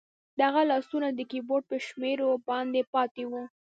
د هغه لاسونه د کیبورډ په شمیرو باندې پاتې وو